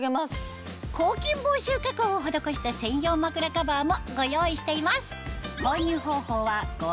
抗菌防臭加工を施した専用枕カバーもご用意しています